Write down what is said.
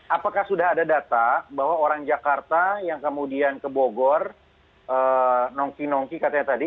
apakah sudah ada data bahwa orang jakarta yang kemudian ke bogor nongki nongki katanya tadi